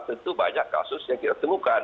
tentu banyak kasus yang kita temukan